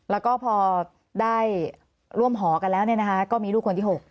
แล้วก็พอได้ร่วมหอกันแล้วก็มีลูกคนที่๖